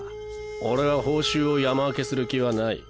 俺は報酬を山分けする気はない。